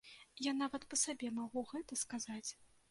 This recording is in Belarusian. Я нават па сабе магу гэта сказаць.